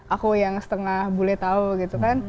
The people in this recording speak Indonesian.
aku yang setengah bule tau gitu kan